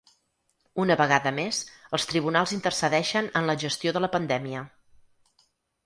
Una vegada més, els tribunals intercedeixen en la gestió de la pandèmia.